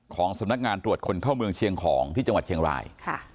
สำนักงานตรวจคนเข้าเมืองเชียงของที่จังหวัดเชียงราย